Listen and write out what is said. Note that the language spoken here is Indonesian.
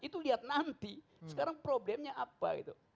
itu lihat nanti sekarang problemnya apa gitu